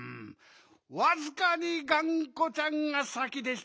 わずかにがんこちゃんがさきでしたね。